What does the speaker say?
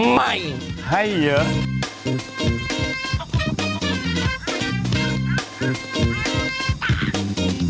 ไม่ไอ้ยะ